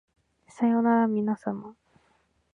さようならみなさま